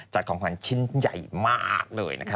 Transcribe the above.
ของขวัญชิ้นใหญ่มากเลยนะคะ